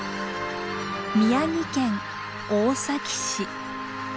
宮城県大崎市。